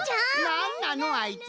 なんなのあいつ。